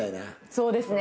そうですね。